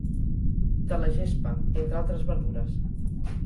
De la gespa, entre altres verdures.